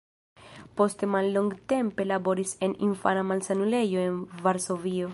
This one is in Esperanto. Poste mallongtempe laboris en infana malsanulejo en Varsovio.